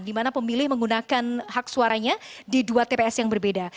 di mana pemilih menggunakan hak suaranya di dua tps yang berbeda